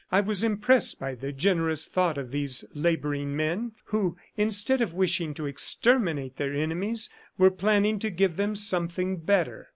I was impressed by the generous thought of these laboring men who, instead of wishing to exterminate their enemies, were planning to give them something better."